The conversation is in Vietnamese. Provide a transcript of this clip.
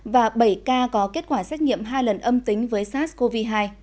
và bảy ca có kết quả xét nghiệm hai lần âm tính với sars cov hai